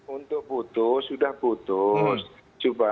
untuk putus sudah putus